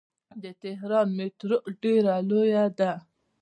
د تهران میټرو ډیره لویه ده.